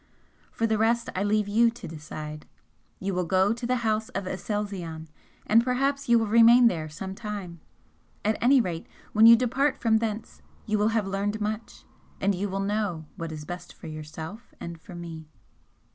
For the rest I leave you to decide you will go to the House of Aselzion and perhaps you will remain there some time, at any rate when you depart from thence you will have learned much, and you will know what is best for yourself and for me.